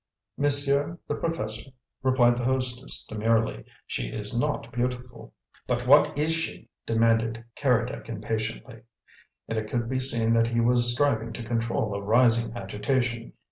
"Monsieur the Professor," replied the hostess demurely, "she is not beautiful." "But what is she?" demanded Keredec impatiently; and it could be seen that he was striving to control a rising agitation.